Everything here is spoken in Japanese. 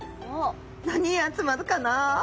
何に集まるかな。